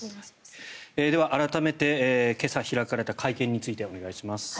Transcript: では、改めて今朝開かれた会見についてお願いします。